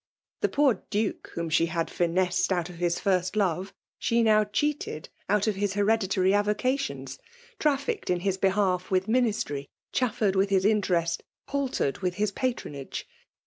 The poor Duke whom she had finessed' out of his first love, she now cheated out of his FBM ALB DOMINATION. 267 neveditarj avocations ; trafficked in his behalf with ministry; chaffered with his interest; piUtered with his patronage.